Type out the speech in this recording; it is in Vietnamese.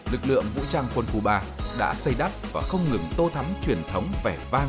lực lượng vũ trang quân khu ba đã xây đắp và không ngừng tô thắm truyền thống vẻ vang